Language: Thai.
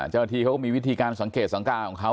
เจ้าหน้าที่เขาก็มีวิธีการสังเกตสังกาของเขา